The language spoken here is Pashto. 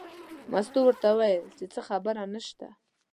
مستو ورته وویل چې هېڅ خبره نشته.